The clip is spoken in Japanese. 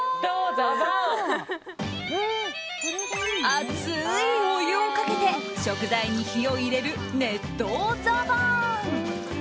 熱いお湯をかけて食材に火を入れる熱湯ザバーン。